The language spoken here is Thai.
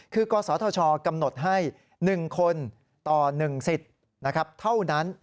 คือกศธชกำหนดให้๑คนต่อ๑สิทธิ์เท่านั้น